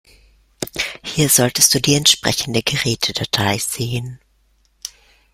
Hier solltest du die entsprechende Gerätedatei sehen.